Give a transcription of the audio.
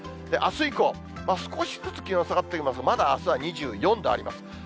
あす以降、少しずつ気温が下がっていきますが、まだあすは２４度あります。